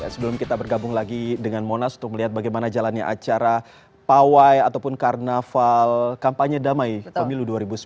sebelum kita bergabung lagi dengan monas untuk melihat bagaimana jalannya acara pawai ataupun karnaval kampanye damai pemilu dua ribu sembilan belas